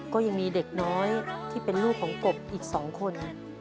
ก็ยังมีเด็กน้อยที่เป็นลูกของกบอีก๒คน